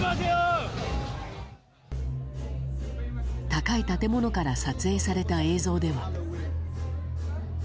高い建物から撮影された映像では。